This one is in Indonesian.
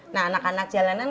nah anak anak jalanan